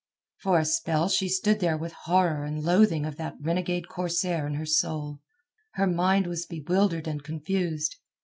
For a spell she stood there with horror and loathing of that renegade corsair in her soul. Her mind was bewildered and confused.